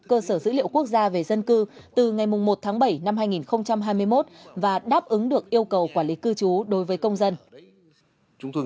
cơ sở dữ liệu quốc gia về dân cư từ ngày một tháng bảy năm hai nghìn hai mươi một và đáp ứng được yêu cầu quản lý cư trú đối với công dân